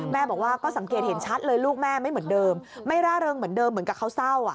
แม่บอกว่าก็สังเกตเห็นชัดเลยลูกแม่ไม่เหมือนเดิมไม่ร่าเริงเหมือนเดิมเหมือนกับเขาเศร้าอ่ะ